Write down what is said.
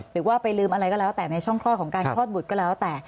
หรือว่าไปลืมอะไรก็แล้วแต่ในช่องคลอดของการคลอดบุตรก็แล้วแต่